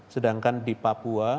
sedangkan di papua